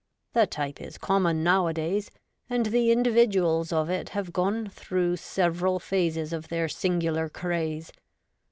The type is common nowadays, and the individuals of it have gone through several phases of their singular craze.